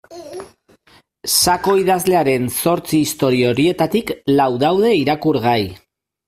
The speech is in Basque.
Sako idazlearen zortzi istorio horietarik lau daude irakurgai.